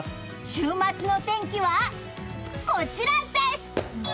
週末の天気は、こちらです！